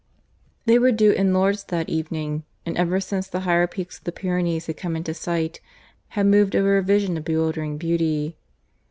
They were due in Lourdes that evening; and, ever since the higher peaks of the Pyrenees had come into sight, had moved over a vision of bewildering beauty.